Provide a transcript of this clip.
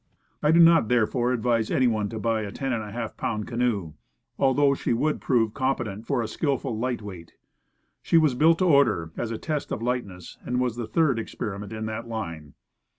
I do not therefore advise any one to buy a ten and a half pound canoe; al though she would prove competent for a skillful light weight. She was built to order, as a test of light ness, and was the third experiment in that line.